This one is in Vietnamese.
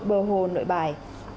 bờ hồ nội bài